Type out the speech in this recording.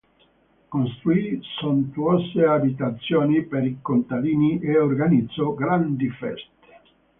Costruì sontuose abitazioni per i contadini e organizzò grandi feste.